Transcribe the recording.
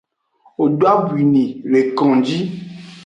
Wo do abwi ni le konji.